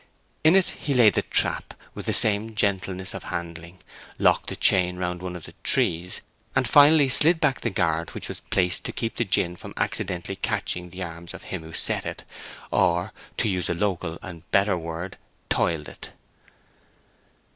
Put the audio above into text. In it he laid the trap with the same gentleness of handling, locked the chain round one of the trees, and finally slid back the guard which was placed to keep the gin from accidentally catching the arms of him who set it, or, to use the local and better word, "toiled" it.